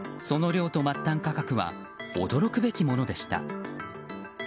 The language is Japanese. その量と末端価格は驚くべきものでした。